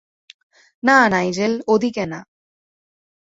না, নাইজেল, ওদিকে না।